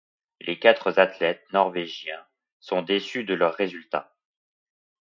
Les quatre athlètes Norvégiens sont déçus de leurs résultats.